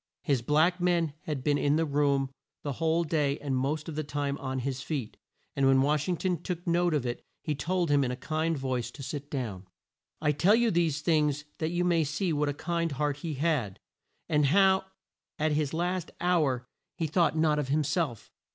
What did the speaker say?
His black man had been in the room the whole day and most of the time on his feet, and when Wash ing ton took note of it he told him in a kind voice to sit down. I tell you these things that you may see what a kind heart he had, and how at his last hour he thought not of him self.